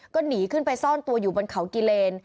ก็หนีขึ้นไปซ่อนตัวอยู่บนเขากิเลน